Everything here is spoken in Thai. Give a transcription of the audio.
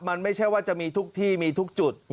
มันไม่ใช่ว่าจะมีทุกที่มีทุกจุด